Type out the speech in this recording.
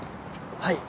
はい。